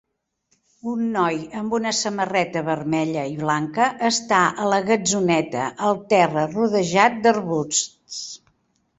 Un noi amb una samarreta vermella i blanca està a la gatzoneta al terra rodejat d'arbusts